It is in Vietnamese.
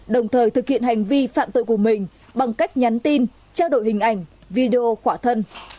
đồng thời thực hiện hành vi phạm tội của mình bằng cách nhắn tin trao đổi hình ảnh video khỏa thân